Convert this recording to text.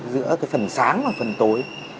giữa cái phần sáng và phần tối